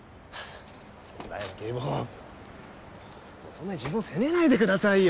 そんなに自分を責めないでくださいよ！